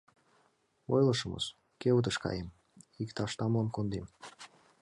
Ойлышымыс, кевытыш каем, иктаж тамлым кондем.